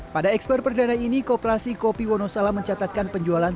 pada ekspor perdana ini kooperasi kopi wonosalam mencatatkan penjualan